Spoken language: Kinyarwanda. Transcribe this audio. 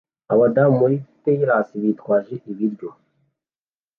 abadamu muri tiaras bitwaje ibiryo